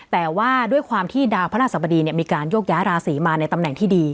แต่ว่าด้วยความที่ดาวพระราชสบดีมีการโยกย้ายราศีมาในตำแหน่งที่ดี